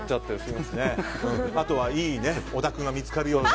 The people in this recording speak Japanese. あとはいいお宅が見つかるように。